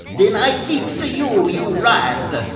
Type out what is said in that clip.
"Den I fix you, you rat!"